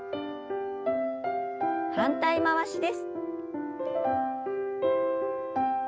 反対回しです。